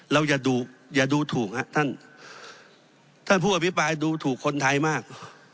อย่าดูอย่าดูถูกฮะท่านท่านผู้อภิปรายดูถูกคนไทยมาก